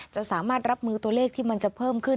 สามารถรับมือตัวเลขที่มันจะเพิ่มขึ้น